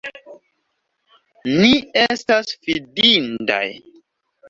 Ni estas fidindaj!